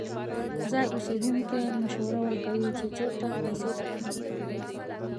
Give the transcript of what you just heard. ځایی اوسیدونکی مشوره ورکوي چې چیرته پیسې تبادله کړي.